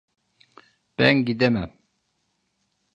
Ben gidemem.